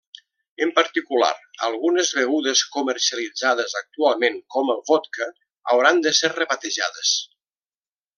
En particular, algunes begudes comercialitzades actualment com el vodka hauran de ser rebatejades.